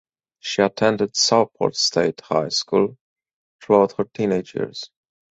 She attended Southport State High School throughout her teenage years.